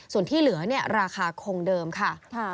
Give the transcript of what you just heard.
ส่วนที่เหลือราคาคงเดิมค่ะ